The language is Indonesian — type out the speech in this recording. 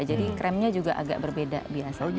jadi kremnya juga agak berbeda biasanya